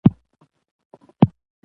هره ورځ یې شکایت له غریبۍ وو